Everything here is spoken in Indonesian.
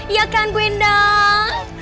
ya kan bu endang